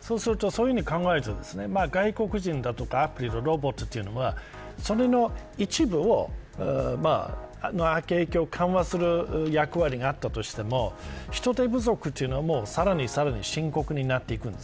そういうふうに考えると外国人だとかアプリやロボットというのはその一部の影響を緩和する役割があったとしても人手不足はさらに深刻になっていきます。